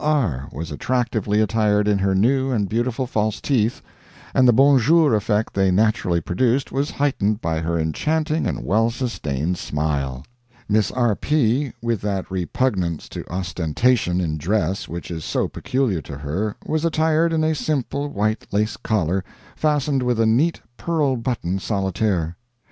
R. was attractively attired in her new and beautiful false teeth, and the 'bon jour' effect they naturally produced was heightened by her enchanting and well sustained smile. Miss R. P., with that repugnance to ostentation in dress which is so peculiar to her, was attired in a simple white lace collar, fastened with a neat pearl button solitaire.